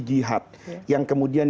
jihad yang kemudian